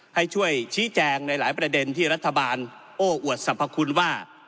ให้ช่วยชี้แจงในหลายประเด็นที่รัฐบาลโอ้อวดสรรพคุณว่า